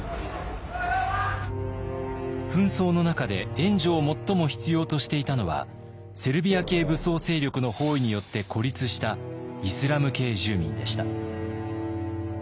紛争の中で援助を最も必要としていたのはセルビア系武装勢力の包囲によって孤立したイスラム系住民でした。